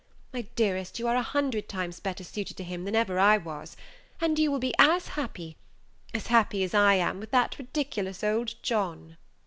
My dearest, you are a hundred times better suited to him than ever I was, and you will be as happy as happy as I am with that ridiculous old John."